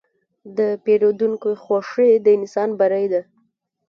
د پیرودونکي خوښي د انسان بری ده.